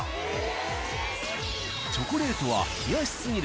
［チョコレートは］